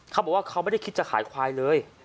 เขาบอกว่าเขาไม่ได้คิดจะขายควายเลย